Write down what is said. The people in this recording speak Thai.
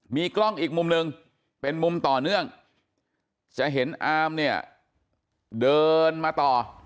มีกล้องอีกมุมหนึ่งเป็นมุมต่อเนื่องจะเห็นอามเนี่ยเดินมาต่อ